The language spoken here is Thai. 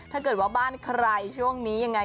ถ้าเกิดว่าบ้านใครช่วงนี้ยังไง